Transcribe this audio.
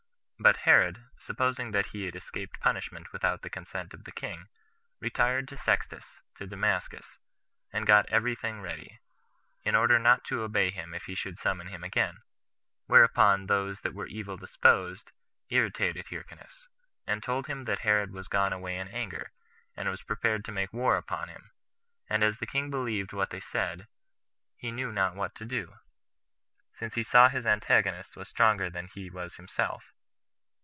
But Herod, supposing that he had escaped punishment without the consent of the king, retired to Sextus, to Damascus, and got every thing ready, in order not to obey him if he should summon him again; whereupon those that were evil disposed irritated Hyrcanus, and told him that Herod was gone away in anger, and was prepared to make war upon him; and as the king believed what they said, he knew not what to do, since he saw his antagonist was stronger than he was himself.